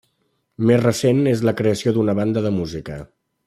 Més recent és la creació d'una banda de música.